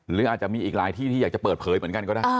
หรืออาจจะมีอีกหลายที่ที่อยากจะเปิดเผยเหมือนกันก็ได้